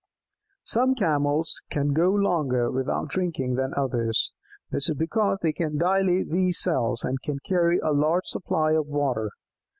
"Some Camels can go longer without drinking than others. This is because they can dilate these cells, and so carry a larger supply of water.